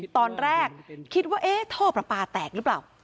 ตอนแรกคิดว่าท่อประปาแตกหรือเปล่า